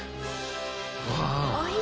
うわ！